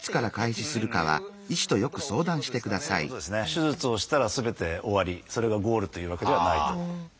手術をしたらすべて終わりそれがゴールというわけではないと。